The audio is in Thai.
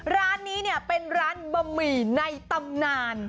ร้านนี้เนี่ยเป็นร้านบะหมี่ในตำนาน